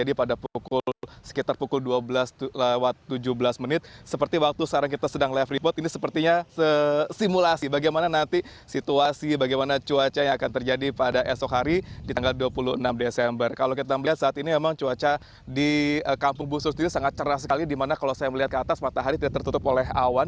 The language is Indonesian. di kampung bungsur sendiri sangat cerah sekali dimana kalau saya melihat ke atas matahari tidak tertutup oleh awan